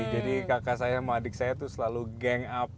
jadi kakak saya sama adik saya tuh selalu gang up